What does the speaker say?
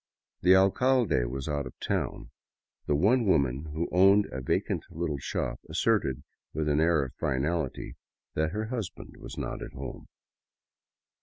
The alcalde was out of town ; the one woman who owned a vacant little shop asserted with an air of finality that her husband was not at home.